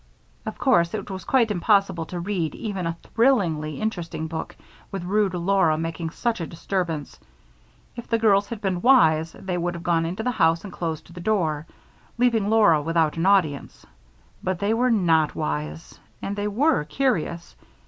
Of course it was quite impossible to read even a thrillingly interesting book with rude Laura making such a disturbance. If the girls had been wise, they would have gone into the house and closed the door, leaving Laura without an audience; but they were not wise and they were curious.